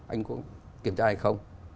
anh có kiểm tra hay không